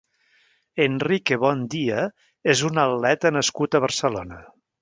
Enrique Bondia és un atleta nascut a Barcelona.